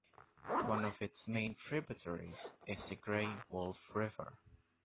One of its main tributaries is the Gray Wolf River.